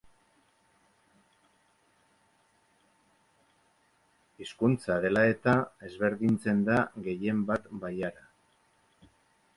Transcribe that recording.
Hizkuntza dela eta ezberdintzen da gehien bat bailara.